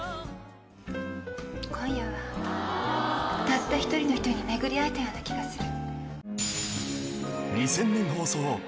「今夜はたった一人の人に巡り合えたような気がする」